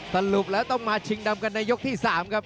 สรุปแล้วต้องมาชิงดำกันในยกที่๓ครับ